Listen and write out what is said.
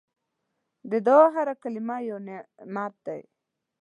د دعا هره کلمه یو نعمت ده.